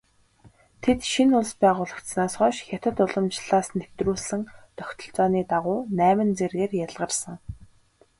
Тэд шинэ улс байгуулагдсанаас хойш хятад уламжлалаас нэвтрүүлсэн тогтолцооны дагуу найман зэргээр ялгарсан.